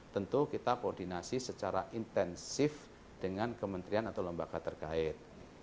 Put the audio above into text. tentu kita koordinasi secara intensif dengan kementerian atau lembaga terkait